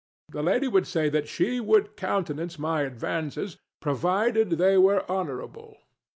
The lady would say that she would countenance my advances, provided they were honorable.